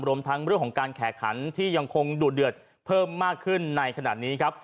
รวมทั้งเรื่องของการแข่งขันที่ยังคงดูดเดือดเพิ่มมากขึ้นในขณะนี้ครับ